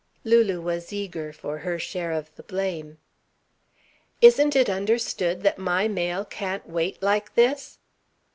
Lulu was eager for her share of the blame. "Isn't it understood that my mail can't wait like this?"